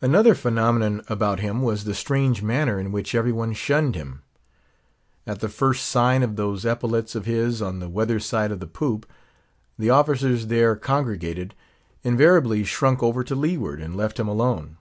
Another phenomenon about him was the strange manner in which everyone shunned him. At the first sign of those epaulets of his on the weather side of the poop, the officers there congregated invariably shrunk over to leeward, and left him alone.